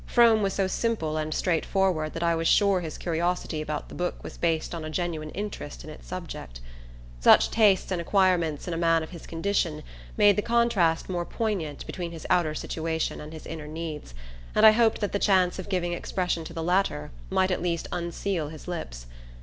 Frome was so simple and straightforward that I was sure his curiosity about the book was based on a genuine interest in its subject. Such tastes and acquirements in a man of his condition made the contrast more poignant between his outer situation and his inner needs, and I hoped that the chance of giving expression to the latter might at least unseal his lips.